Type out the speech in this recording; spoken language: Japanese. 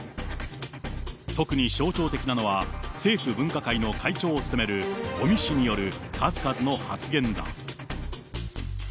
特に象徴的なのは、政府分科会の会長を務める尾身氏による数々の発言だ。